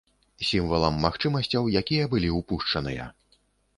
Сімвалам магчымасцяў, якія былі ўпушчаныя.